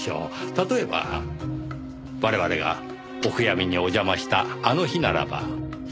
例えば我々がお悔やみにお邪魔したあの日ならば。